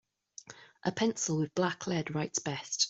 A pencil with black lead writes best.